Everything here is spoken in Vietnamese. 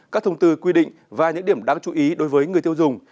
các thông tư quy định và những điểm đáng chú ý đối với người tiêu dùng